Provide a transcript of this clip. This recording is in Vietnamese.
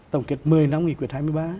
tổng kết một mươi năm nghị quyết hai mươi ba